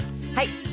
はい。